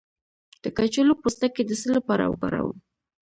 د کچالو پوستکی د څه لپاره وکاروم؟